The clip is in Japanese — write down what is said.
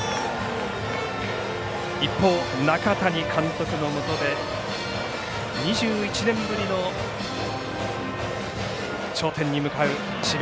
一方、中谷監督のもとで２１年ぶりの頂点に向かう智弁